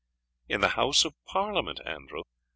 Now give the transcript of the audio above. "In the House of Parliament, Andrew!